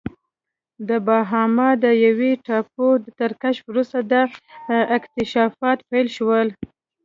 د باهاما د یوې ټاپو تر کشف وروسته دا اکتشافات پیل شول.